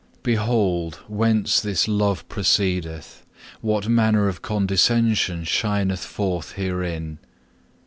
Behold, whence this love proceedeth! what manner of condescension shineth forth herein.